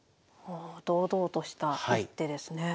堂々とした一手ですね。